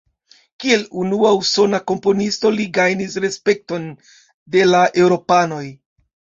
Kiel unua usona komponisto li gajnis respekton de la eŭropanoj.